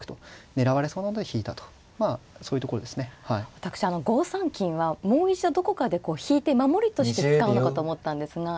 私５三金はもう一度どこかでこう引いて守りとして使うのかと思ったんですが